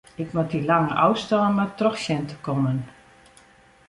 Ik moat dy lange ôfstân mar troch sjen te kommen.